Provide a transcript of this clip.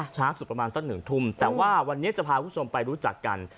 ช้าสุดประมาณสักหนึ่งทุ่มแต่ว่าวันนี้จะพาคุณผู้ชมไปรู้จักกัน